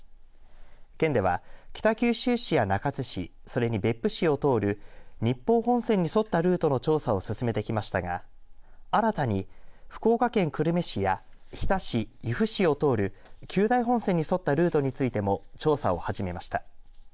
県では、北九州市や中津市それに別府市を通る日豊本線に沿ったルートの調査を進めてきましたが新たに福岡県久留米市や日田市、由布市を通る久大本線に沿ったルートについても調査を始めました。